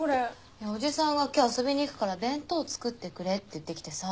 いやおじさんが今日遊びに行くから弁当作ってくれって言ってきてさ。